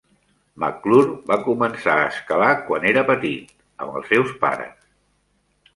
McClure va començar a escalar quan era petit, amb els seus pares.